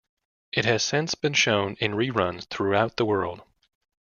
It has since been shown in re-runs throughout the world.